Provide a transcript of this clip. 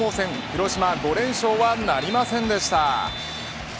広島５連勝はなりませんでした。